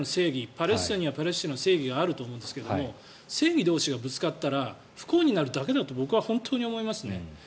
パレスチナにはパレスチナの正義があると思うんですが正義同士がぶつかったら不幸になるだけだと僕は本当に思いますね。